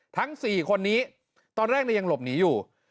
ทั้ง๔คนนี้ตอนแรกยังหลบหนีอยู่